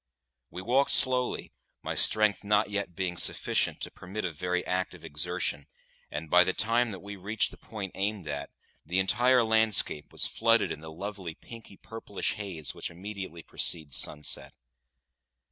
We walked slowly, my strength not yet being sufficient to permit of very active exertion, and by the time that we reached the point aimed at, the entire landscape was flooded in the lovely pinky purplish haze which immediately precedes sunset.